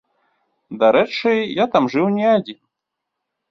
Дарэчы, я там жыў не адзін.